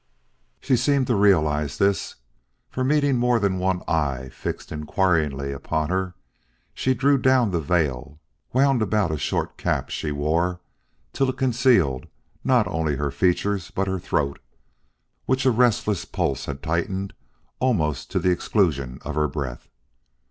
She seemed to realize this, for meeting more than one eye fixed inquiringly upon her she drew down the veil wound about a sort of cap she wore till it concealed not only her features but her throat which a restless pulse had tightened almost to the exclusion of her breath.